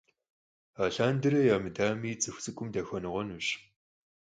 Алъандэрэ ямыдами, цӀыху цӀыкӀум дахуэныкъуэнущ.